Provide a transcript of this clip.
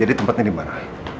jadi tempatnya dimana